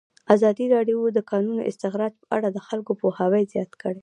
ازادي راډیو د د کانونو استخراج په اړه د خلکو پوهاوی زیات کړی.